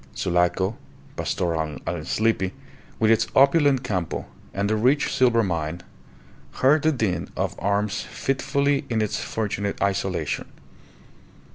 Sulaco, pastoral and sleepy, with its opulent Campo and the rich silver mine, heard the din of arms fitfully in its fortunate isolation.